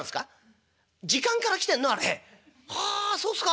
ああそうっすか。